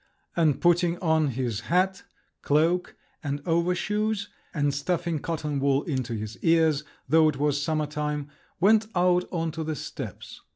and putting on his hat, cloak, and over shoes, and stuffing cotton wool into his ears, though it was summer time, went out on to the steps.